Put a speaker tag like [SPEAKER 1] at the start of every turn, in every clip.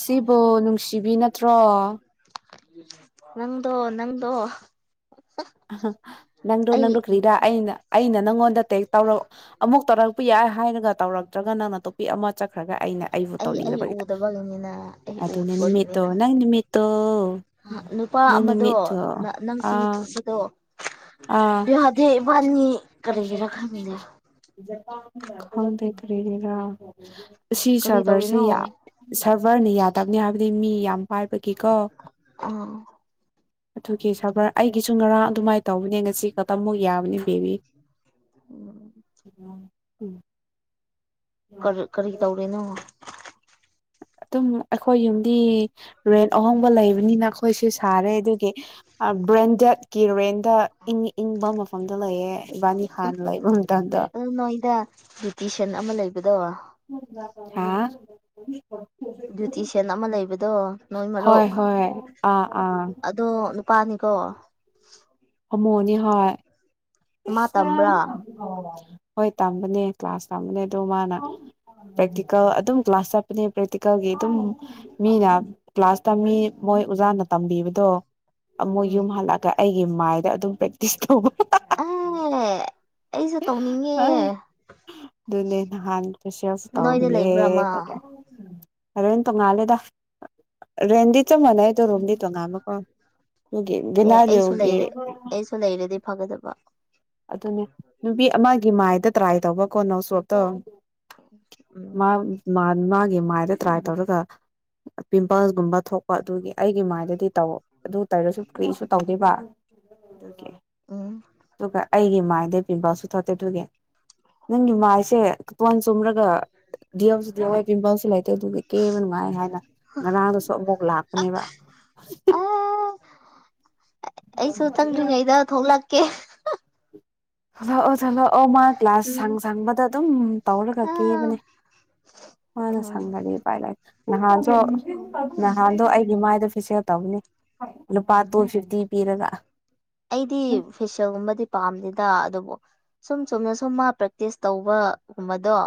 [SPEAKER 1] ꯁꯤꯕ‌ꯣ ꯅꯨꯡꯁꯤꯕꯤ ꯅꯠꯇ꯭ꯔꯣ
[SPEAKER 2] ꯅꯪꯗꯣ ꯅꯪꯗꯣ
[SPEAKER 1] ꯅꯪꯗ‌ꯣ
[SPEAKER 2] ꯑꯩ
[SPEAKER 1] ꯅꯪꯗ‌ꯣ ꯀ꯭ꯔꯤꯔꯥ ꯑꯩꯅ ꯑꯩꯅ ꯅꯪꯉꯣꯟꯗ ꯇꯦꯛ ꯇꯧꯔꯛ ꯑꯃꯨꯛ ꯇꯧꯔꯛꯄ ꯌꯥꯏ ꯍꯥꯏꯔꯒ ꯇꯧꯔꯛꯇ꯭ꯔꯒ ꯅꯪꯅ ꯇꯣꯞꯄꯤꯛ ꯑꯃ ꯆꯠꯈ꯭ꯔꯒ ꯑꯩꯅ ꯑꯩꯕꯨ
[SPEAKER 2] ꯑꯩ
[SPEAKER 1] ꯇꯧꯅꯤꯡ
[SPEAKER 2] ꯑꯩ ꯎꯗꯕ ꯂꯩ [unintelligible]
[SPEAKER 1] ꯑꯗꯨꯅꯦ ꯅꯨꯃꯤꯠꯇꯣ ꯅꯪ ꯅꯨꯃꯤꯠꯇꯣ
[SPEAKER 2] ꯅꯨ ꯅꯨꯄꯥ
[SPEAKER 1] ꯅꯪ
[SPEAKER 2] ꯑꯃꯗꯣ
[SPEAKER 1] ꯅꯨꯃꯤꯠꯇꯣ
[SPEAKER 2] ꯅꯪ ꯅꯪ ꯐꯤ
[SPEAKER 1] ꯑꯥ
[SPEAKER 2] ꯐꯤꯗꯣ
[SPEAKER 1] ꯑꯥ
[SPEAKER 2] ꯌꯥꯗ‌ꯦ ꯏꯕꯥꯅꯤ ꯀꯔꯤꯒꯤꯔ ꯈꯪꯗ‌ꯦ
[SPEAKER 1] ꯈꯪꯗ‌ꯦ ꯀꯔꯤꯒꯤꯔꯥ ꯑꯁꯤ
[SPEAKER 2] ꯀꯔꯤ
[SPEAKER 1] ꯁꯥꯔꯚꯔꯁꯦ
[SPEAKER 2] ꯇꯧꯔꯤꯅꯣ
[SPEAKER 1] ꯌꯥꯝ ꯁꯚꯔꯅꯤ ꯌꯥꯗꯕꯅꯤ ꯍꯥꯏꯕꯗꯤ ꯃꯤ ꯌꯥꯝ ꯄꯥꯏꯕꯒꯤꯀꯣ
[SPEAKER 2] ꯑꯥ
[SPEAKER 1] ꯑꯗꯨꯒꯤ ꯁꯥꯔꯕꯔ ꯑꯩꯒꯤꯁꯨ ꯉꯔꯥꯡ ꯑꯗꯨꯃꯥꯏ
[SPEAKER 2] ꯎꯝ
[SPEAKER 1] [unintelligible]
[SPEAKER 2] ꯀꯔ ꯀꯔꯤ ꯇꯧꯔꯤꯅꯣ
[SPEAKER 1] ꯑꯗꯨꯝ ꯑꯩꯈꯣꯏ ꯌꯨꯝꯗꯤ ꯔꯦꯟꯠ ꯑꯍꯣꯡꯕ ꯂꯩꯕꯅꯤꯅ ꯑꯩꯈꯣꯏꯁꯨ ꯁꯥꯔꯦ ꯑꯗꯨꯒꯤ ꯕ꯭ꯔꯦꯟꯗꯦꯗꯀꯤ ꯔꯦꯟꯗ ꯏꯪ ꯏꯪꯕ ꯃꯐꯝꯗ ꯂꯩꯌꯦ ꯏꯕꯥꯅꯤ ꯍꯥꯟꯅ ꯂꯩꯕ ꯃꯇꯝꯗꯣ
[SPEAKER 2] [unintelligible] ꯅꯣꯏꯗ ꯇꯤꯁꯟ ꯑꯃ ꯂꯩꯕꯗꯣ
[SPEAKER 1] ꯍꯥꯥ
[SPEAKER 2] ꯕ꯭ꯌꯨꯇꯤꯁꯤꯌꯥꯟ ꯑꯃ ꯂꯩꯕꯗꯣ ꯅꯣꯏ
[SPEAKER 1] ꯍꯣꯏ
[SPEAKER 2] ꯃꯔꯣꯛ
[SPEAKER 1] ꯍꯣꯏ ꯑꯥ
[SPEAKER 2] ꯑꯥ ꯗꯣ ꯅꯨꯄꯥꯅꯤꯀꯣ
[SPEAKER 1] ꯍ‌ꯣꯃ‌ꯣꯅꯤ ꯍꯥꯏ
[SPEAKER 2] ꯃꯥ ꯇꯝꯕ꯭ꯔꯥ
[SPEAKER 1] ꯑꯣ ꯍꯣꯏ ꯇꯝꯕꯅꯦ ꯀ꯭ꯂꯥꯁ ꯇꯝꯕꯅꯦ ꯑꯗꯣ ꯃꯥꯅ ꯄ꯭ꯔꯦꯛꯇꯤꯀꯦꯜ ꯑꯗꯨꯝ ꯀ꯭ꯂꯥꯁ ꯆꯠꯄꯅꯦ ꯄ꯭ꯔꯦꯛꯇꯤꯀꯦꯜꯒꯤ ꯑꯗꯨꯝ ꯃꯤꯅ ꯀ꯭ꯂꯥꯁꯇ ꯃꯤ ꯃꯣꯏ ꯑꯣꯖꯥꯅ ꯇꯝꯕꯤꯕꯗꯣ ꯑꯃꯨꯛ
[SPEAKER 2] ꯎꯝ
[SPEAKER 1] ꯌꯨꯝ ꯍꯜꯂꯛꯒ ꯑꯩꯒꯤ ꯃꯥꯏꯗ ꯑꯗꯨꯝ ꯄ꯭ꯔꯦꯛꯇꯤꯁ ꯇꯧꯕ
[SPEAKER 2] ꯑ ꯑꯩꯁꯨ ꯇꯧꯅꯤꯡꯉꯦ
[SPEAKER 1] ꯑꯗꯨꯅꯤ ꯅꯍꯥꯟ ꯐ‌ꯦꯁꯤꯌ‌ꯦꯜꯁꯨ
[SPEAKER 2] ꯅꯣꯏꯗ ꯂꯩꯕ꯭ꯔꯥ
[SPEAKER 1] ꯇꯧꯕꯤꯌ‌ꯦ
[SPEAKER 2] ꯃꯥ
[SPEAKER 1] [unintelligible] ꯑꯔꯦꯟ ꯇꯣꯉꯥꯜꯂꯦꯗ ꯔꯦꯟꯗꯤ ꯆꯞ ꯃꯅꯥꯏ ꯗ‌ꯣ
[SPEAKER 2] ꯎꯝ
[SPEAKER 1] ꯔꯨꯝꯗꯤ ꯇꯣꯉꯥꯟꯕꯀ‌ꯣ ꯗꯨꯒꯤ
[SPEAKER 2] ꯗꯦ ꯑꯩꯁꯨ
[SPEAKER 1] ꯕꯤꯅꯥꯂꯤꯎꯒꯤ
[SPEAKER 2] ꯂꯩꯔꯦ ꯑꯩꯁꯨ ꯂꯩꯔꯗꯤ ꯐꯒꯗꯕ
[SPEAKER 1] ꯑꯗꯨꯅꯦ ꯅꯨꯄꯤ ꯑꯃꯒꯤ ꯃꯥꯏꯗ ꯇ꯭ꯔꯥꯏ ꯇꯧꯕ ꯀꯣ ꯅꯣꯁꯣꯞꯇ‌ꯣ
[SPEAKER 2] ꯎꯝ
[SPEAKER 1] ꯃꯥ ꯃꯥꯟ ꯃꯥꯒꯤ ꯃꯥꯏꯗ ꯇ꯭ꯔꯥꯏ ꯇꯧꯔꯒ ꯄꯤꯝꯄꯜꯁꯒꯨꯝꯕ ꯊꯣꯛ ꯄ ꯑꯗꯨꯒꯤ ꯑꯩꯒꯤ ꯃꯥꯏꯗꯗꯤ ꯇꯧ ꯑꯗꯨ ꯇꯩꯔꯁꯨ ꯀꯔꯤꯁꯨ ꯇꯧꯗ‌ꯦꯕ ꯑꯗꯨꯒꯤ
[SPEAKER 2] ꯎꯝ
[SPEAKER 1] ꯑꯗꯨꯒ ꯑꯩꯒꯤ ꯃꯥꯏꯗꯩ ꯄꯤꯕꯜꯁꯨ ꯊꯣꯛꯇꯦ ꯑꯗꯨꯒꯤ ꯅꯪꯒꯤ ꯃꯥꯏꯁꯦ ꯏꯁꯄꯣꯟ ꯆꯨꯝꯔꯒ ꯗꯤꯁꯨ ꯄꯤꯝꯄꯜꯁꯨ ꯂꯩꯇꯦ ꯑꯗꯨꯗꯤ ꯀꯦꯝꯕ ꯅꯨꯡꯉꯥꯏ ꯍꯥꯏꯅ ꯉꯔꯥꯡꯗꯁꯨ ꯑꯃꯨꯛ ꯂꯥꯛꯄꯅꯦꯕ
[SPEAKER 2] ꯑ ꯑꯩꯁꯨ ꯆꯪꯗ꯭ꯔꯤꯉꯩꯗ ꯊꯣꯛꯂꯛꯀꯦ
[SPEAKER 1] ꯊꯣꯛꯂꯛꯑꯣ ꯊꯣꯛꯂꯛꯑꯣ ꯃꯥ ꯀ꯭ꯂꯥꯁ
[SPEAKER 2] ꯎꯝ
[SPEAKER 1] ꯁꯪ ꯁꯪꯕꯗ ꯑꯗꯨꯝ ꯇꯧꯔꯒ
[SPEAKER 2] ꯑꯥ
[SPEAKER 1] ꯀꯦꯕꯅꯦ ꯃꯥꯅ [unintelligible]
[SPEAKER 2] ꯎꯝ
[SPEAKER 1] ꯁꯪꯒꯔꯤ [unintelligible] ꯄꯥꯏ ꯂ ꯅꯍꯥꯟꯗꯣ
[SPEAKER 2] ꯎꯝ
[SPEAKER 1] ꯅꯍꯥꯟꯗꯣ ꯑꯩꯒꯤ ꯃꯥꯏꯗ ꯐꯤꯁꯦꯜ ꯇꯧꯕꯅꯦ ꯂꯨꯄꯥ ꯇꯨ ꯐꯤꯐꯇꯤ ꯄꯤꯔꯒ
[SPEAKER 2] ꯑꯩꯗꯤ ꯐꯦꯁꯤꯜꯒꯨꯝꯕꯗꯤ ꯄꯥꯝꯗꯦꯗ ꯑꯗꯨꯕꯨ ꯁꯨꯝ ꯁꯨꯝꯅ ꯁꯨꯝ ꯃꯥ ꯄ꯭ꯔꯦꯛꯇꯤꯁ ꯇꯧꯕ ꯒꯨꯝꯕꯗꯣ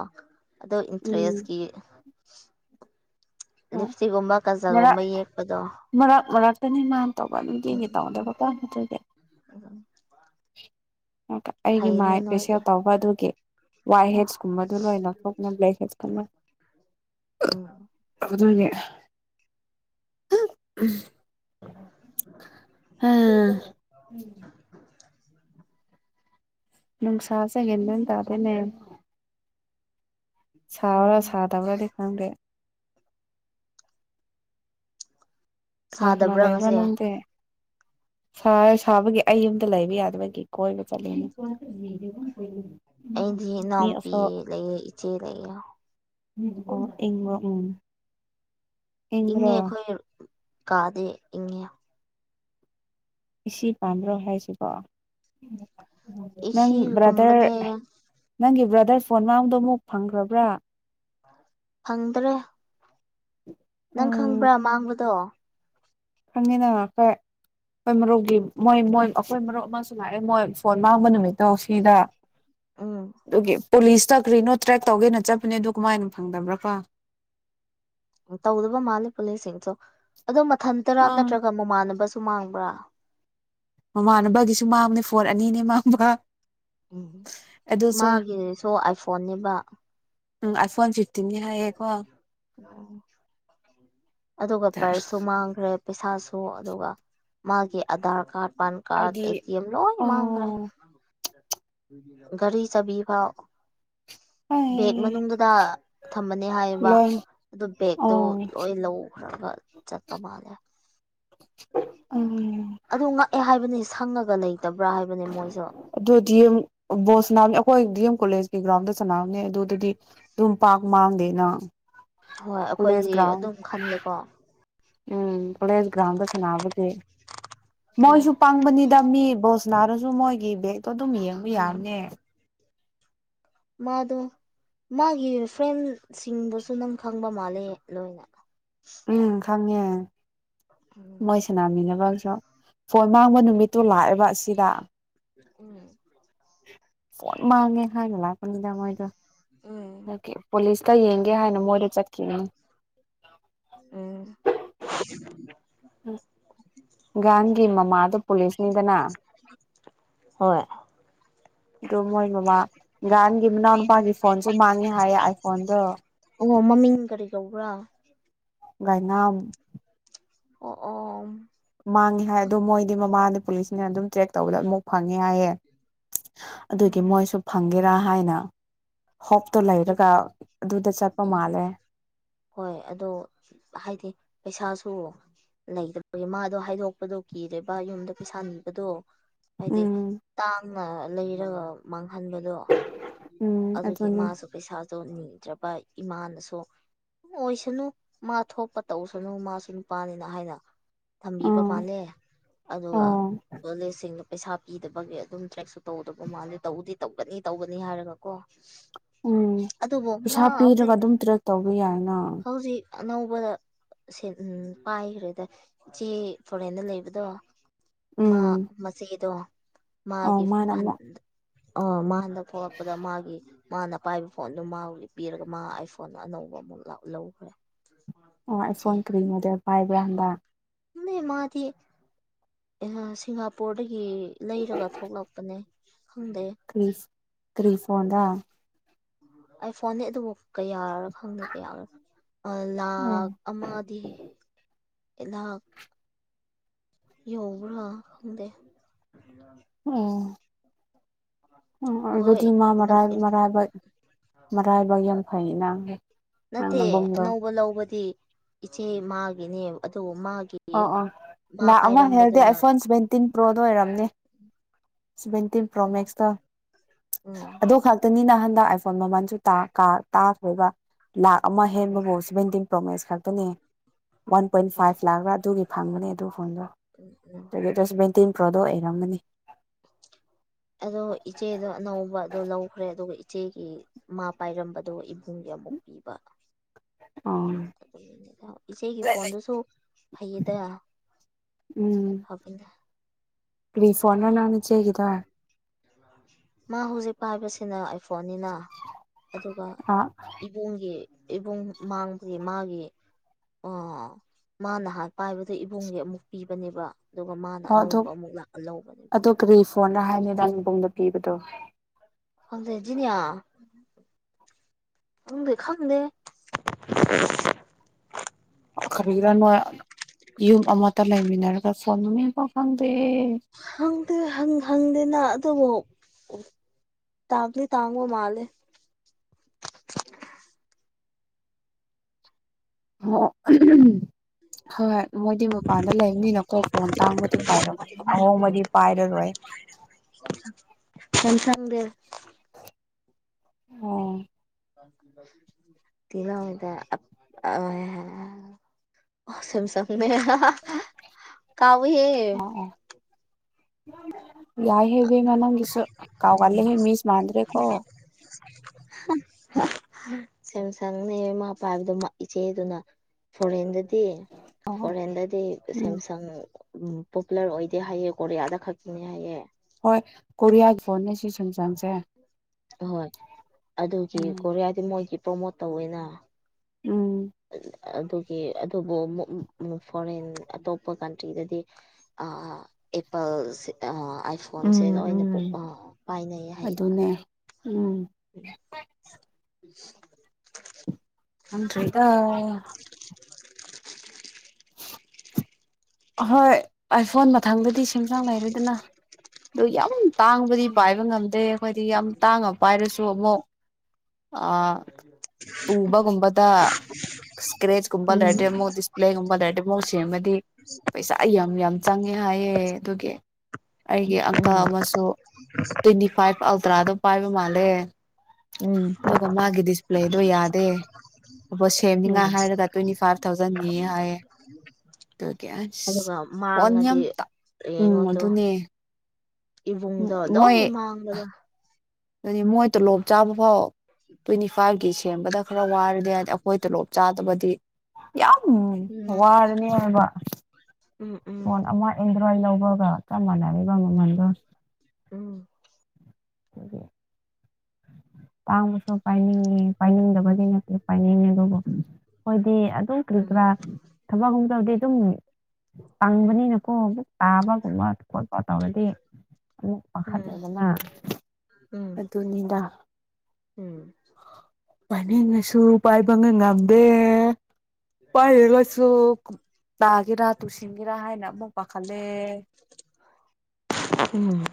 [SPEAKER 2] ꯑꯗꯣ
[SPEAKER 1] ꯎꯝ
[SPEAKER 2] ꯏꯟꯇꯔꯦꯁꯀꯤ ꯂꯤꯞꯇꯤꯛꯒꯨꯝꯕ
[SPEAKER 1] ꯃꯔꯛ
[SPEAKER 2] ꯀꯖꯔꯒꯨꯝꯕ ꯌꯦꯛꯄꯗꯣ
[SPEAKER 1] ꯃꯔꯛ ꯃꯔꯛꯇꯅꯤ ꯃꯥꯅ ꯇꯧꯕ ꯅꯨꯡꯇꯤꯒꯤ ꯇꯧꯗꯦꯕꯒꯣ ꯑꯗꯨꯒꯤ
[SPEAKER 2] ꯎꯝ [unintelligible]
[SPEAKER 1] ꯑꯩꯒꯤ
[SPEAKER 2] ꯐꯩꯅ
[SPEAKER 1] ꯃꯥꯏ
[SPEAKER 2] ꯅꯣꯏꯗꯤ
[SPEAKER 1] ꯐꯦꯁꯦꯜ ꯇꯧꯕ ꯑꯗꯨꯒꯤ ꯋꯥꯏ ꯍꯦꯠꯁꯀꯨꯝꯕꯗꯨ ꯂꯣꯏꯅꯥ ꯂꯧꯊꯣꯛꯄ ꯕꯔꯦꯛ ꯍꯦꯠ ꯒꯨꯝꯕꯗꯣ
[SPEAKER 2] ꯑꯝ
[SPEAKER 1] ꯑꯗꯨꯅꯦ ꯑꯥ ꯅꯨꯡꯁꯥꯁꯦ ꯒꯌ꯭ꯥꯟ ꯃꯦꯟ ꯇꯥꯗꯦꯅꯦ ꯁꯥꯕ꯭ꯔꯥ
[SPEAKER 2] ꯎꯝ
[SPEAKER 1] ꯁꯥꯗꯕ꯭ꯔꯥ ꯗꯤ ꯈꯪꯗꯦ ꯀꯥꯅꯥ ꯀꯥꯅꯥ
[SPEAKER 2] ꯁꯥꯗꯕ꯭ꯔꯥ
[SPEAKER 1] ꯂꯩꯕꯔꯥ
[SPEAKER 2] ꯉꯁꯤ
[SPEAKER 1] ꯅꯪꯗꯤ ꯁꯥ ꯁꯥꯕꯒꯤ ꯑꯩ ꯌꯨꯝꯗ ꯂꯩꯕ ꯌꯥꯗꯕꯒꯤ ꯀꯣꯏꯕ ꯆꯠꯂꯤꯅꯦ ꯀꯣꯏ ꯌꯦꯔꯝ ꯀꯣꯏ [unintelligible]
[SPEAKER 2] ꯑꯩꯗꯤ ꯏꯅꯥꯎꯄꯤ ꯂꯩꯌꯦ ꯏꯆꯦ ꯂꯩꯌꯦ
[SPEAKER 1] ꯎ ꯑꯣ ꯏ ꯎꯝ [unintelligible]
[SPEAKER 2] ꯏꯉꯦ
[SPEAKER 1] ꯏꯪꯕ꯭ꯔꯣ
[SPEAKER 2] ꯑꯩꯈꯣꯏ ꯀꯥꯗꯤ ꯏꯉꯦ
[SPEAKER 1] ꯑꯦꯁꯤ ꯄꯥꯝꯕ꯭ꯔꯣ ꯍꯥꯏꯁꯤꯕꯣ ꯅꯪ ꯕ꯭ꯔꯗꯔ
[SPEAKER 2] ꯏꯁꯤꯒꯨꯝꯕꯅꯦ
[SPEAKER 1] ꯅꯪꯒꯤ ꯕ꯭ꯔꯗꯔ ꯐꯣꯟ ꯃꯥꯡꯕꯗꯣ ꯑꯃꯨꯛ ꯐꯪꯈ꯭ꯔꯕ꯭ꯔꯥ
[SPEAKER 2] ꯐꯪꯗ꯭ꯔꯦ
[SPEAKER 1] [inaudible]
[SPEAKER 2] ꯅꯪ ꯈꯪꯕ꯭ꯔꯥ ꯃꯥꯡꯕꯗꯣ
[SPEAKER 1] ꯈꯪꯉꯦꯅ ꯈꯣꯢ ꯑꯩꯈꯣꯏ ꯃꯔꯨꯞꯒꯤ ꯃꯣꯏ ꯃꯣꯏ ꯑꯩꯈꯣꯏ ꯃꯔꯨꯞ ꯑꯃꯁꯨ ꯂꯥꯛꯑꯦ ꯃꯣꯏ ꯐꯣꯟ ꯃꯥꯡꯕ ꯅꯨꯃꯤꯠ ꯅꯨꯡꯁꯤꯗ
[SPEAKER 2] ꯎꯝ
[SPEAKER 1] ꯑꯗꯨꯒꯤ ꯄꯨꯂꯤꯁꯇ ꯀꯔꯤꯅꯣ ꯇ꯭ꯔꯦꯛ ꯇꯧꯒꯦꯅ ꯆꯠꯄꯅꯦ ꯑꯗꯨ ꯀꯃꯥꯏꯅ ꯐꯪꯗꯕ꯭ꯔꯥ ꯀꯣ
[SPEAKER 2] ꯇꯧꯗꯕ ꯃꯥꯜꯂꯦ ꯄꯨꯂꯤꯁꯁꯤꯡꯁꯨ ꯑꯗꯣ ꯃꯊꯟꯇꯔꯥ
[SPEAKER 1] ꯑꯥ
[SPEAKER 2] ꯅꯠꯇ꯭ꯔꯒ ꯃꯨꯃꯥꯟꯅꯕꯁꯨ ꯃꯥꯡꯕ꯭ꯔꯥ
[SPEAKER 1] ꯃꯃꯥꯟꯅꯕꯒꯤꯁꯨ ꯃꯥꯡꯕꯅꯦ ꯐꯣꯟ ꯐꯣꯟ ꯑꯅꯤꯅꯦ ꯃꯥꯡꯕ
[SPEAKER 2] ꯎꯝ
[SPEAKER 1] ꯑꯗꯨꯁꯨ
[SPEAKER 2] ꯃꯥꯒꯤꯁꯨ ꯑꯥꯏꯐꯣꯟꯅꯦꯕ
[SPEAKER 1] ꯎꯝ ꯑꯥꯏꯐꯣꯟ ꯐꯤꯐꯇꯤꯟꯅꯦ ꯍꯥꯏꯑꯦꯒꯣ
[SPEAKER 2] ꯎꯝ ꯑꯗꯨꯒ ꯄꯔꯁꯁꯨ ꯃꯥꯡꯈ꯭ꯔꯦ ꯄꯩꯁꯥꯁꯨ ꯑꯗꯨꯒ ꯃꯥꯒꯤ ꯑꯗꯥꯔ ꯀꯥꯔꯗ ꯄꯥꯟ ꯀꯥꯔꯗ
[SPEAKER 1] ꯑꯩꯗꯤ
[SPEAKER 2] ꯑꯦ ꯇꯤ ꯑꯦꯝ ꯂꯣꯏ ꯃꯥꯡꯈ꯭ꯔꯦ
[SPEAKER 1] ꯑꯣ
[SPEAKER 2] ꯒꯔꯤ ꯆꯥꯕꯤꯐꯥꯎ ꯕꯦꯛ
[SPEAKER 1] ꯍꯣꯏ
[SPEAKER 2] ꯃꯅꯨꯡꯗꯨꯗ ꯊꯝꯕꯅꯦ ꯍꯥꯏꯌꯦꯕ
[SPEAKER 1] ꯂꯣꯏ
[SPEAKER 2] ꯑꯗꯨ ꯕꯦꯒꯇꯣ
[SPEAKER 1] ꯑꯣ
[SPEAKER 2] ꯂꯣꯏ ꯂꯧꯈ꯭ꯔꯒ ꯆꯠꯄ ꯃꯥꯜꯂꯦ
[SPEAKER 1] ꯎꯝ
[SPEAKER 2] ꯑꯗꯨ ꯉꯛꯑꯦ ꯍꯥꯏꯕꯅꯤ ꯁꯪꯉꯒ ꯂꯩꯇꯕ꯭ꯔꯥ ꯍꯥꯏꯕꯅꯤ ꯃꯣꯏꯁꯨ
[SPEAKER 1] ꯑꯗꯨꯗꯤ ꯕꯣꯜ ꯁꯅꯕꯅꯦ ꯑꯩꯈꯣꯏ ꯗꯤ ꯑꯦꯝ ꯀꯣꯂꯦꯖꯀꯤ ꯒ꯭ꯔꯥꯎꯟꯗ ꯁꯅꯕꯅꯦ ꯑꯗꯨ ꯑꯗꯨꯗꯤ ꯑꯗꯨꯝ ꯄꯥꯛ ꯃꯥꯡꯗꯦꯅ
[SPEAKER 2] ꯍꯣꯏ
[SPEAKER 1] ꯀꯣꯂꯦꯖ
[SPEAKER 2] ꯑꯩꯈꯣꯏꯗꯤ
[SPEAKER 1] ꯒ꯭ꯔꯥꯎꯟ
[SPEAKER 2] ꯑꯗꯨꯝ ꯈꯜꯂꯦꯀꯣ
[SPEAKER 1] ꯎꯝ ꯀꯣꯂꯦꯁ ꯒꯔꯥꯎꯗ ꯁꯅꯥꯕꯗꯤ
[SPEAKER 2] [unintelligible]
[SPEAKER 1] ꯃꯣꯏꯁꯨ ꯄꯥꯡꯕꯅꯤꯗ ꯃꯤ ꯕꯣꯜ ꯁꯅꯥꯅꯁꯨ ꯃꯣꯏꯒꯤ ꯕꯦꯒꯇꯣ ꯑꯗꯨꯝ ꯌꯦꯡꯕ
[SPEAKER 2] ꯎꯝ
[SPEAKER 1] ꯌꯥꯔꯅꯦ
[SPEAKER 2] ꯃꯥꯗꯣ ꯃꯥꯒꯤ ꯐ꯭ꯔꯦꯟꯁꯤꯡꯗꯨꯁꯨ ꯅꯪ ꯈꯪꯕ ꯃꯥꯜꯂꯦ ꯂꯣꯏꯅ
[SPEAKER 1] ꯎꯝ ꯈꯪꯉꯦ
[SPEAKER 2] ꯎꯝ
[SPEAKER 1] ꯃꯣꯏ ꯁꯥꯟꯅꯃꯤꯟꯅꯕꯁꯨ ꯐꯣꯟ ꯃꯥꯡꯕ ꯅꯨꯃꯤꯠꯇꯨ ꯂꯥꯛꯑꯦꯕ ꯑꯁꯤꯗ
[SPEAKER 2] ꯎꯝ
[SPEAKER 1] ꯐꯣꯟ ꯃꯥꯡꯉꯦ ꯍꯥꯏꯅ ꯂꯥꯛꯄꯅꯤꯗ ꯃꯣꯏꯗꯣ
[SPEAKER 2] ꯎꯝ
[SPEAKER 1] ꯑꯗꯨꯒꯤ ꯄꯣꯂꯤꯁ ꯇ ꯌꯦꯡꯒꯦ ꯍꯥꯏꯅ ꯃꯣꯏꯗ ꯆꯠꯈꯤꯕꯅꯦ
[SPEAKER 2] ꯎꯝ
[SPEAKER 1] ꯒꯥꯟꯒꯤ ꯃꯃꯥꯗꯣ ꯄꯨꯂꯤꯁꯅꯤꯗꯅ
[SPEAKER 2] ꯍꯣꯏ
[SPEAKER 1] ꯑꯗꯨ ꯃꯣꯏ ꯃꯃꯥ ꯉꯥꯟꯒꯤ ꯃꯅꯥꯎ ꯅꯨꯄꯥꯒꯤ ꯐꯣꯟꯁꯨ ꯃꯥꯡꯉꯦ ꯍꯥꯏꯌꯦ ꯑꯥꯏꯐꯣꯟꯗꯣ
[SPEAKER 2] ꯑꯣ ꯃꯃꯤꯡ ꯀꯔꯤ ꯀꯧꯕ꯭ꯔꯥ
[SPEAKER 1] ꯒꯥꯏꯉꯥꯝ
[SPEAKER 2] ꯑꯣ ꯑꯣ
[SPEAKER 1] ꯃꯥꯡꯉꯦ ꯍꯥꯏ ꯑꯗꯣ ꯃꯣꯏꯗꯤ ꯃꯃꯥꯗꯤ ꯄꯨꯂꯤꯁꯅ ꯑꯗꯨꯝ ꯇ꯭ꯔꯦꯛ ꯇꯧꯕꯗ ꯑꯗꯨꯝ ꯐꯪꯉꯦ ꯍꯥꯏꯌꯦ
[SPEAKER 2] ꯎꯝ
[SPEAKER 1] ꯑꯗꯨꯒꯤ ꯃꯣꯏꯁꯨ ꯐꯪꯒꯦꯔꯥ ꯍꯥꯏꯅ ꯍꯣꯞꯇꯣ ꯂꯩꯔꯒ ꯑꯗꯨꯗ ꯆꯠꯄ ꯃꯥꯜꯂꯦ
[SPEAKER 2] ꯍꯣꯏ ꯑꯗꯣ ꯍꯥꯏꯗꯤ ꯄꯩꯁꯥꯁꯨ ꯂꯩꯇꯕꯒꯤ ꯃꯥꯗꯣ ꯍꯥꯏꯗꯣꯛꯄꯗꯣ ꯀꯤꯔꯦꯕ ꯌꯨꯝꯗ ꯄꯩꯁꯥ ꯅꯤꯕꯗꯣ ꯍꯥꯏꯗꯤ
[SPEAKER 1] ꯎꯝ
[SPEAKER 2] ꯇꯥꯡꯅ ꯂꯩꯔꯒ ꯃꯥꯡꯍꯟꯕꯗꯣ
[SPEAKER 1] ꯎꯝ
[SPEAKER 2] ꯑꯗꯨꯒꯤ
[SPEAKER 1] ꯑꯗꯨꯅꯦ
[SPEAKER 2] ꯃꯥꯁꯨ ꯄꯩꯁꯥꯁꯨ ꯅꯤꯗ꯭ꯔꯕ ꯏꯃꯥꯅꯁꯨ ꯑꯣꯏꯁꯅꯨ ꯃꯥ ꯊꯣꯛꯄ ꯇꯧꯁꯅꯨ ꯃꯥꯁꯨ ꯅꯨꯄꯥꯅꯤꯅ ꯍꯥꯏꯅ ꯊꯝꯕꯤꯕ
[SPEAKER 1] ꯑꯥ
[SPEAKER 2] ꯃꯥꯜꯂꯦ ꯑꯗꯨꯒ
[SPEAKER 1] ꯑꯣ
[SPEAKER 2] ꯄꯨꯂꯤꯁꯁꯤꯡꯗ ꯄꯩꯁꯥ ꯄꯤꯗꯕꯒꯤ ꯑꯗꯨꯝ ꯇ꯭ꯔꯦꯛꯁꯨ ꯇꯧꯗꯕ ꯃꯥꯜꯂꯤ ꯇꯧꯗꯤ ꯇꯧꯒꯅꯤ ꯇꯧꯒꯅꯤ ꯍꯥꯏꯔꯒ ꯀꯣ
[SPEAKER 1] ꯎꯝ
[SPEAKER 2] ꯑꯗꯨꯕꯨ ꯃꯥ
[SPEAKER 1] ꯄꯩꯁꯥ ꯄꯤꯔꯒ
[SPEAKER 2] ꯍꯧꯖꯤꯛ
[SPEAKER 1] ꯑꯗꯨꯝ ꯇ꯭ꯔꯦꯛ ꯇꯧꯕ ꯌꯥꯏꯅ
[SPEAKER 2] ꯍꯧꯖꯤꯛ ꯑꯅꯧꯕ ꯁꯦꯜ ꯄꯥꯏꯈ꯭ꯔꯦꯗ ꯏꯆꯦ ꯐꯣꯔꯦꯟꯗ ꯂꯩꯕꯗꯣ ꯃꯥ
[SPEAKER 1] ꯎꯝ
[SPEAKER 2] ꯃꯆꯦꯗꯣ
[SPEAKER 1] ꯑꯧ
[SPEAKER 2] ꯃꯥꯒꯤ
[SPEAKER 1] ꯃꯥꯅ ꯑꯃꯨꯛ
[SPEAKER 2] ꯑ ꯊꯣꯛꯂꯛꯄꯗ ꯃꯥꯒꯤ ꯃꯥꯅ ꯄꯥꯏꯕ ꯐꯣꯟꯗꯨ ꯃꯥ ꯄꯤꯔꯒ ꯃꯥ ꯑꯥꯏ ꯐꯣꯟꯗ ꯑꯅꯧꯕ ꯑꯃꯨꯛ ꯂꯧꯈ꯭ꯔꯦ [unintelligible]
[SPEAKER 1] ꯑꯣ ꯑꯥꯏ ꯐꯣꯟ ꯀꯔꯤ ꯃꯣꯗꯦꯜ ꯄꯥꯏꯕ꯭ꯔꯥ ꯃꯥ
[SPEAKER 2] ꯗꯦ ꯃꯥꯗꯤ ꯁꯤꯡꯒꯥꯄꯨꯔꯗꯒꯤ ꯂꯩꯔꯒ ꯊꯣꯛꯂꯛꯄꯅꯦ ꯈꯪꯗꯦ
[SPEAKER 1] ꯏꯁ ꯀꯔꯤ ꯐꯣꯟꯗ
[SPEAKER 2] ꯑꯥꯏ ꯐꯣꯟꯅꯤ ꯑꯗꯨꯕꯨ ꯀꯌꯥꯔ ꯈꯪꯗꯦ ꯀꯌꯥ
[SPEAKER 1] ꯎꯝ
[SPEAKER 2] ꯂꯥꯛ ꯑꯃꯗꯤ ꯍꯦꯜꯂ ꯌꯧꯕ꯭ꯔꯥ ꯈꯪꯗꯦ [unintelligible]
[SPEAKER 1] ꯑꯝ ꯎꯝ
[SPEAKER 2] ꯍꯣꯏ
[SPEAKER 1] ꯑꯗꯨꯗꯤ ꯃꯥ ꯃꯔꯥꯏ ꯃꯔꯥꯏꯕꯛ ꯃꯔꯥꯏꯕꯛ ꯌꯥꯝ ꯐꯩꯌꯦꯅ
[SPEAKER 2] ꯅꯠꯇꯦ ꯑꯅꯧꯕ ꯂꯧꯕꯗꯤ ꯏꯆꯦ ꯃꯥꯒꯤꯅꯦ ꯑꯗꯨ ꯃꯥꯒꯤ
[SPEAKER 1] ꯑꯣ ꯑꯣ
[SPEAKER 2] ꯃꯥ
[SPEAKER 1] ꯂꯥꯛ ꯑꯃ ꯍꯦꯜꯂꯗꯤ
[SPEAKER 2] ꯄꯥꯏꯔꯝꯕꯗꯨꯅ
[SPEAKER 1] ꯑꯥꯏ ꯐꯣꯟ ꯁꯚꯦꯟꯇꯤꯟ ꯄ꯭ꯔꯣꯗꯣ ꯑꯣꯏꯔꯝꯅꯤ ꯁꯚꯦꯟꯇꯤꯟ ꯄ꯭ꯔꯣ
[SPEAKER 2] ꯎꯝ
[SPEAKER 1] ꯃꯦꯛꯁꯇ
[SPEAKER 2] ꯎꯝ
[SPEAKER 1] ꯑꯗꯨꯈꯛ ꯇꯅꯤꯅ ꯍꯟꯗꯛ ꯑꯥꯏ ꯐꯣꯟ ꯃꯃꯜꯁꯨ ꯇꯥꯈꯔꯦꯕ ꯂꯥꯛ ꯑꯃ ꯍꯦꯟꯕꯕꯨ ꯁꯚꯦꯟꯇꯤꯟ ꯄ꯭ꯔꯣ ꯃꯦꯛꯁ ꯈꯛꯇꯅꯦ ꯋꯥꯟ ꯄꯣꯏꯟ
[SPEAKER 2] ꯍꯣꯏ
[SPEAKER 1] ꯐꯥꯏꯚ ꯂꯥꯛꯄ꯭ꯔꯥ ꯑꯗꯨꯒꯤ ꯐꯪꯕꯅꯤ ꯑꯗꯨ ꯐꯣꯟꯗꯣ
[SPEAKER 2] ꯎꯝ
[SPEAKER 1] ꯑꯗꯨꯒꯤꯗ ꯁꯕꯦꯟꯇꯤꯟ ꯄ꯭ꯔꯣꯗꯣ
[SPEAKER 2] ꯎꯝ
[SPEAKER 1] ꯑꯣꯏꯔꯝꯒꯅꯤ
[SPEAKER 2] ꯑꯗꯣ ꯏꯆꯦꯗꯣ ꯑꯅꯧꯕ ꯑꯗꯨ ꯂꯧꯈ꯭ꯔꯦ ꯑꯗꯨꯒ ꯏꯆꯦꯒꯤ ꯃꯥ ꯄꯥꯏꯔꯝꯕꯗꯣ ꯏꯕꯨꯡꯒꯤ ꯑꯃꯨꯛ ꯄꯤꯕ
[SPEAKER 1] ꯑꯣ
[SPEAKER 2] ꯏꯆꯦꯒꯤ ꯐꯣꯟꯗꯨꯁꯨ ꯐꯩꯌꯦꯗ
[SPEAKER 1] ꯎꯝ
[SPEAKER 2] ꯐꯕꯅꯦ
[SPEAKER 1] ꯀꯔꯤ ꯐꯣꯟꯅꯣ ꯅꯆꯦꯒꯤꯗꯣ
[SPEAKER 2] ꯃꯥ ꯍꯧꯖꯤꯛ ꯄꯥꯥꯏꯕꯁꯤꯅ ꯑꯥꯏ ꯐꯣꯟꯅꯤꯅ ꯑꯗꯨꯒ ꯏꯕꯨꯡꯒꯤ ꯏꯕꯨꯡ ꯃꯥꯡꯕꯗꯤ ꯃꯥꯒꯤ ꯑꯣ ꯃꯥꯅ ꯍꯥꯟꯅ ꯄꯥꯏꯕꯗꯨ ꯏꯕꯨꯡꯒꯤ ꯑꯃꯨꯛ ꯄꯤꯕꯅꯦꯕ ꯑꯗꯨꯒ ꯃꯥꯅ
[SPEAKER 1] ꯑꯣ ꯑꯗꯨ
[SPEAKER 2] ꯑꯅꯧꯕ ꯑꯃꯨꯛ ꯂꯥꯛꯑ ꯂꯧꯕꯅꯦꯕ
[SPEAKER 1] ꯑꯣ ꯀꯔꯤ ꯐꯣꯟꯂ ꯍꯥꯏꯕꯅꯤꯗ ꯅꯪ ꯏꯕꯨꯡꯗ ꯄꯤꯕꯗꯣ
[SPEAKER 2] ꯈꯪꯗꯦ ꯖꯤꯅꯤꯌꯥ [unintelligible] ꯈꯪꯗꯦ꯫
[SPEAKER 1] ꯀꯔꯤꯒꯤꯔꯥ ꯅꯣꯏ ꯌꯨꯝ ꯑꯃꯠꯇ ꯂꯩꯃꯤꯟꯅꯔꯒ ꯐꯣꯟ ꯃꯃꯤꯡꯐꯥꯎ ꯈꯪꯗꯦ
[SPEAKER 2] ꯈꯪꯗꯦ ꯍꯪꯗꯦꯅ ꯑꯗꯨꯕꯨ ꯇꯥꯡꯗꯤ ꯇꯥꯡꯕ ꯃꯥꯂꯦ
[SPEAKER 1] ꯑꯣ ꯍꯣꯏ ꯃꯣꯏꯗꯤ ꯃꯄꯥꯟꯗ ꯂꯩꯕꯅꯤꯅꯀꯣ ꯐꯣꯟ ꯇꯥꯡꯕꯗꯤ ꯄꯥꯏꯔꯝ ꯑꯍꯣꯡꯕꯗꯤ ꯄꯥꯏꯔꯔꯣꯏ꯫
[SPEAKER 2] ꯁꯥꯝꯁꯥꯡꯗꯤ
[SPEAKER 1] ꯑꯣ
[SPEAKER 2] [unintelligible] ꯁꯥꯝꯁꯨꯡꯅꯦ ꯀꯥꯥꯎꯋꯤꯍꯦ
[SPEAKER 1] ꯑꯣ ꯑꯣ ꯌꯥꯏꯍꯦ ꯢꯕꯦꯝꯃ ꯅꯪꯒꯤꯁꯨ ꯀꯥꯎꯒꯜꯂꯦ ꯃꯤꯁ ꯃꯥꯟꯗ꯭ꯔꯦ ꯀꯣ
[SPEAKER 2] [unintelligible] ꯁꯦꯝꯁꯪꯅꯦ ꯃꯥ ꯄꯥꯢꯕꯗꯨꯅ ꯏꯆꯦꯗꯨꯅ ꯐꯣꯔꯦꯟꯗ
[SPEAKER 1] ꯑꯣ
[SPEAKER 2] ꯐꯣꯔꯦꯟꯗꯗꯤ
[SPEAKER 1] ꯎꯝ
[SPEAKER 2] ꯁꯦꯝꯁꯥꯡ ꯎꯝ ꯄꯣꯄꯨꯂꯔ ꯑꯣꯏꯗꯦ ꯍꯥꯏꯑꯦ ꯀꯣꯔꯤꯌꯥꯗ ꯈꯛꯇꯅꯦ ꯍꯥꯏꯑꯦ
[SPEAKER 1] ꯍꯣꯏ ꯀꯣꯔꯤꯌꯥꯒꯤ ꯐꯣꯟꯅꯦ ꯁꯤ ꯁꯝꯁꯥꯡꯁꯦ
[SPEAKER 2] ꯑꯍꯣꯏ ꯑꯗꯨꯒꯤ
[SPEAKER 1] ꯎꯝ
[SPEAKER 2] ꯀꯣꯔꯤꯌꯥꯗꯤ ꯃꯣꯏꯒꯤ ꯄ꯭ꯔꯣꯃꯣꯠ ꯇꯧꯋꯦꯅ
[SPEAKER 1] ꯎꯝ
[SPEAKER 2] ꯑꯗꯨꯒꯤ ꯑꯗꯨꯕꯨ ꯐꯣꯔꯦꯟ ꯑꯇꯣꯞꯄ ꯀꯟꯇ꯭ꯔꯤꯗꯗꯤ ꯑꯥ ꯑꯥ ꯑꯦꯄꯜꯁꯦ ꯑꯥ ꯑꯥꯏꯐꯣꯟꯁꯦ
[SPEAKER 1] ꯎꯝ
[SPEAKER 2] ꯂꯣꯏꯅ
[SPEAKER 1] ꯎꯝ
[SPEAKER 2] ꯑꯥ ꯄꯥꯏꯅꯩꯌꯦ ꯍꯥꯏꯌꯦꯕ
[SPEAKER 1] ꯑꯗꯨꯅꯦ ꯎꯝ
[SPEAKER 2] ꯎꯝ [inaudible]
[SPEAKER 1] ꯈꯪꯗ꯭ꯔꯤꯗ꯫ ꯑꯍꯣꯏ ꯑꯥꯏꯐꯣꯟ ꯃꯊꯪꯗꯗꯤ ꯁꯦꯝꯁꯥꯡ ꯂꯩꯔꯦꯗꯅ ꯑꯗꯨ ꯌꯥꯝ ꯇꯥꯡꯕꯗꯤ ꯄꯥꯏꯕ ꯉꯝꯗꯦ ꯑꯩꯈꯣꯏꯗꯤ ꯌꯥꯝ ꯇꯥꯡꯉ ꯄꯥꯏꯔꯁꯨ ꯑꯃꯨꯛ
[SPEAKER 2] [unintelligible]
[SPEAKER 1] ꯎꯕꯒꯨꯝꯕꯗ ꯏꯁꯀ꯭ꯔꯦꯆꯀꯨꯝꯕ
[SPEAKER 2] ꯎꯝ
[SPEAKER 1] ꯂꯩꯔꯗꯤ ꯑꯃꯨꯛ ꯗꯤꯁꯄ꯭ꯂꯦꯒꯨꯝꯕ ꯂꯩꯔꯗꯤ ꯑꯃꯨꯛ ꯁꯦꯝꯃꯗꯤ ꯄꯩꯁꯥ ꯌꯥꯝ ꯌꯥꯝ ꯆꯪꯉꯦ ꯍꯥꯏꯌꯦ ꯑꯗꯨꯒꯤ ꯑꯩꯒꯤ ꯑꯪꯀꯛ ꯑꯃꯁꯨ ꯇ꯭ꯋꯦꯟꯇꯤ ꯐꯥꯏꯚ ꯑꯜꯇ꯭ꯔꯥꯗꯣ ꯄꯥꯏꯕ ꯃꯥꯜꯂꯦ
[SPEAKER 2] ꯎꯝ
[SPEAKER 1] ꯑꯗꯨꯒ ꯃꯥꯒꯤ ꯗꯤꯁꯄ꯭ꯂꯦꯗꯣ ꯌꯥꯗꯦ ꯑꯗꯣ
[SPEAKER 2] ꯎꯝ ꯎꯝ
[SPEAKER 1] ꯁꯦꯝꯅꯤꯉꯥꯏ ꯍꯥꯏꯔꯒ ꯇ꯭ꯋꯦꯟꯇꯤ ꯐꯥꯏꯚ ꯊꯥꯎꯖꯟꯅꯤ ꯍꯥꯏꯌꯦ ꯑꯁ
[SPEAKER 2] ꯑꯗꯨꯒ
[SPEAKER 1] ꯐꯣꯟ ꯌꯥꯝ
[SPEAKER 2] ꯃꯥꯡꯉꯗꯤ ꯌꯦꯡꯉꯣ
[SPEAKER 1] ꯎꯝ
[SPEAKER 2] ꯇꯣ
[SPEAKER 1] ꯑꯗꯨꯅꯦ
[SPEAKER 2] ꯏꯕꯨꯡꯗꯣ ꯂꯣꯢ ꯃꯥꯡꯗꯅ
[SPEAKER 1] ꯑꯗꯨꯅꯤ ꯃꯣꯏ ꯇꯣꯂꯣꯞ ꯆꯥꯕ ꯐꯥꯎ ꯇ꯭ꯋꯦꯟꯇꯤ ꯐꯥꯏꯚꯀꯤ ꯁꯦꯝꯕꯗ ꯈꯔ ꯋꯥꯔꯗꯤ ꯍꯥꯏꯗꯤ ꯑꯩꯈꯣꯏ ꯇꯣꯂꯣꯞ ꯆꯥꯗꯕꯗꯤ ꯌꯥꯝ
[SPEAKER 2] ꯎꯝ
[SPEAKER 1] ꯋꯥꯔꯅꯤ ꯍꯥꯏꯕ
[SPEAKER 2] ꯎꯝ
[SPEAKER 1] ꯐꯣꯟ
[SPEAKER 2] ꯎꯝ
[SPEAKER 1] ꯑꯃ ꯑꯦꯟꯗ꯭ꯔꯣꯏꯗ ꯂꯧꯕꯒ ꯆꯞ ꯃꯥꯟꯅꯔꯦꯕ ꯃꯥꯃꯜꯗꯣ
[SPEAKER 2] ꯎꯝ
[SPEAKER 1] [unintelligible] ꯇꯥꯡꯕꯁꯨ ꯄꯥꯏꯅꯤꯡꯉꯦ ꯄꯥꯏꯅꯤꯡꯗꯕꯗꯤ ꯅꯠꯇꯦ ꯄꯥꯏꯅꯤꯡꯉꯦ ꯑꯗꯨꯕꯨ ꯍꯣꯏꯗꯤ ꯑꯗꯨꯝ ꯀꯔꯤ
[SPEAKER 2] ꯎꯝ
[SPEAKER 1] ꯀꯔꯥ ꯊꯕꯛꯒꯨꯝ ꯆꯠꯄꯗꯤ ꯑꯗꯨꯝ ꯇꯥꯡꯕꯅꯤꯅꯀꯣ ꯇꯥꯕꯒꯨꯝꯕ ꯈꯣꯠꯄ ꯇꯧꯔꯗꯤ ꯑꯃꯨꯛ
[SPEAKER 2] ꯎꯝ
[SPEAKER 1] ꯄꯥꯈꯠꯂꯦꯗꯅ
[SPEAKER 2] ꯎꯝ
[SPEAKER 1] ꯑꯗꯨꯅꯤꯗ
[SPEAKER 2] ꯎꯝ
[SPEAKER 1] ꯄꯥꯏꯅꯤꯡꯉꯁꯨ ꯄꯥꯏꯕꯒ ꯉꯝꯗꯦ ꯄꯥꯏꯔꯒꯁꯨ ꯇꯥꯒꯦꯔꯥ ꯇꯨꯁꯤꯟꯒꯦꯔꯥ ꯍꯥꯏꯅ ꯑꯃꯨꯛ ꯄꯥꯈꯠꯂꯦ
[SPEAKER 2] ꯎꯝ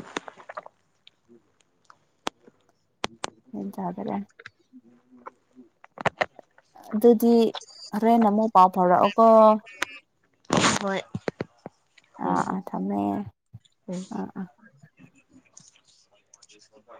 [SPEAKER 1] ꯒ꯭ꯌꯥꯟ ꯇꯥꯗꯥꯔꯦ ꯑꯗꯨꯗꯤ ꯍꯣꯔꯦꯟ ꯑꯃꯨꯛ ꯄꯥꯎ ꯐꯥꯎꯔꯛꯑꯣꯀꯣ
[SPEAKER 2] ꯍꯣꯏ
[SPEAKER 1] ꯑꯥ
[SPEAKER 2] ꯍꯣꯏ
[SPEAKER 1] ꯑꯥ ꯊꯝꯃꯦ
[SPEAKER 2] ꯎꯝ
[SPEAKER 1] ꯑꯥ ꯑꯥ